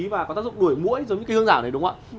và có tác dụng đuổi mũi giống như cây hương giảo này đúng không ạ